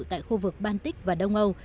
tại khu vực baltic và đông âu